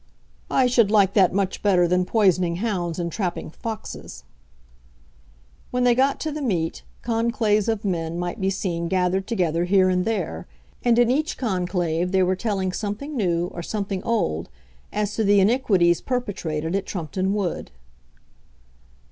"I should like that much better than poisoning hounds and trapping foxes." When they got to the meet, conclaves of men might be seen gathered together here and there, and in each conclave they were telling something new or something old as to the iniquities perpetrated at Trumpeton Wood.